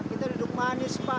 kita duduk manis pak